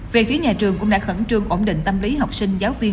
về phía nhà trường cũng đã khẩn trương ổn định tâm lý học sinh giáo viên